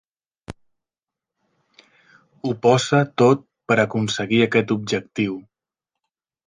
Ho posa tot per aconseguir aquest objectiu.